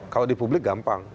kalau di publik gampang